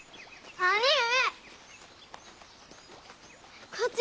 兄上！